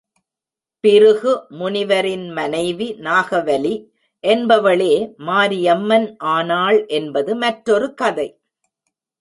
பிருகு முனிவரின் மனைவி நாகாவலி என்பவளே மாரியம்மன் ஆனாள் என்பது மற்றொரு கதை.